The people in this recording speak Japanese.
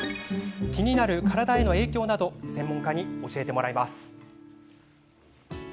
気になる体への影響など専門家に教えていただきます。